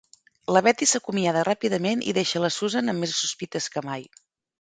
La Betty s'acomiada ràpidament i deixa la Susan amb més sospites que mai.